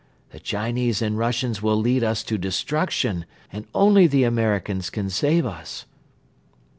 The Chinese and Russians will lead us to destruction and only the Americans can save us."